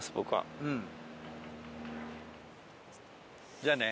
じゃあね。